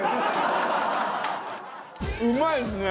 うまいですね！